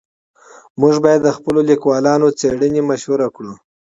موږ باید د خپلو لیکوالانو څېړنې مشهورې کړو.